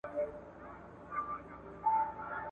یا له ستایلو د ښکلیو سوړ یم ,